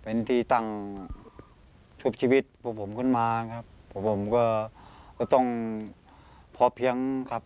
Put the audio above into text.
เป็นที่ตั้งทุบชีวิตพวกผมขึ้นมาครับพวกผมก็ต้องพอเพียงครับ